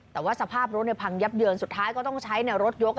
แต่ว่าสภาพรถพังยับเยินสุดท้ายก็ต้องใช้รถยก